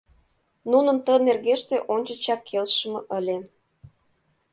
Нунын ты нергеште ончычак келшыме ыле.